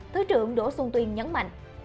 thứ trưởng đỗ xuân tuyên nhấn mạnh